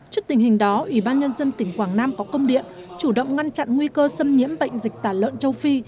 trước tình hình đó ủy ban nhân dân tỉnh quảng nam có công điện chủ động ngăn chặn nguy cơ xâm nhiễm bệnh dịch tả lợn châu phi